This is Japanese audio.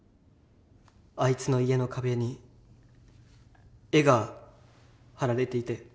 あいつの家の壁に絵が貼られていて。